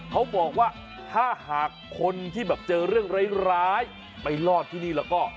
เขาบอกว่าถ้าหากคนที่แบบเจอเรื่องร้ายไปรอดที่นี่แล้วก็